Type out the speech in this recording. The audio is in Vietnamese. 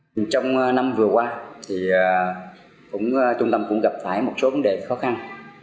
trong năm vừa qua thì trung tâm cũng gặp phải một số vấn đề khó khăn